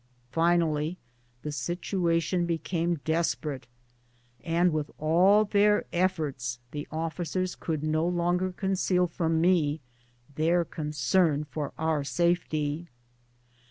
Finally the situation became desperate, and with all their efforts the oflScers could no longer conceal from me their concern for our safety.